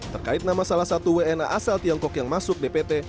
terkait nama salah satu wna asal tiongkok yang masuk dpt